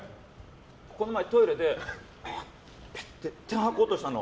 この前、トイレでぺって吐こうとしたの。